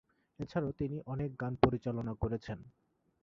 এছাড়া তিনি অনেক গান পরিচালনা করেছেন।